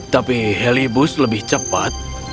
tapi helibus lebih cepat